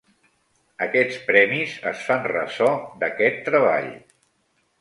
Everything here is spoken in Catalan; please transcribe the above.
Aquests premis es fan ressò d'aquest treball.